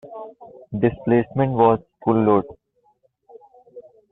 Displacement was full load.